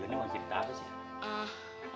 ini mau cerita apa sih